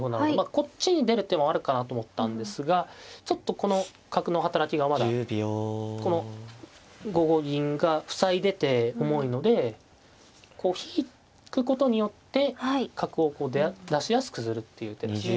こっちに出る手もあるかなと思ったんですがちょっとこの角の働きがまだこの５五銀が塞いでて重いのでこう引くことによって角をこう出しやすくするっていう手ですね。